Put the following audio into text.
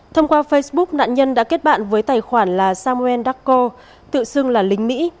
thông qua facebook nạn nhân đã kết bạn với tài khoản là samuel decco tự xưng là lính mỹ